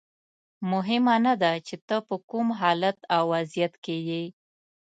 مهمه نه ده چې ته په کوم حالت او وضعیت کې یې.